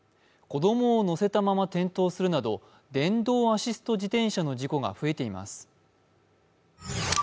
子供を乗せたまま転倒するなど、電動アシスト自転車の事故が増えています。